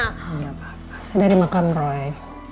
gak apa apa saya dari makam roy